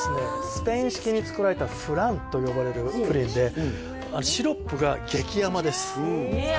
スペイン式に作られたフランと呼ばれるプリンでシロップが激甘ですえ